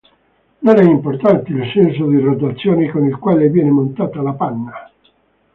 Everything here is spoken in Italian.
Non è importante il senso di rotazione con il quale viene montata la panna.